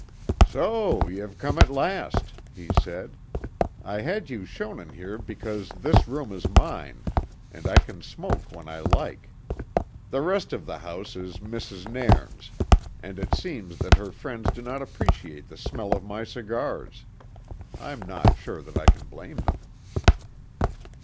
"So ye have come at last," he said. "I had you shown in here, because this room is mine, and I can smoke when I like. The rest of the house is Mrs. Nairn's, and it seems that her friends do not appreciate the smell of my cigars. I'm not sure that I can blame them."